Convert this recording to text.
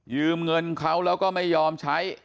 เงินเขาแล้วก็ไม่ยอมใช้